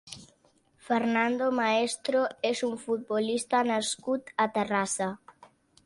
Fernando Maestro és un futbolista nascut a Terrassa.